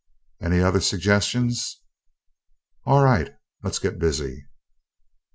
Any other suggestions?... all right, let's get busy!"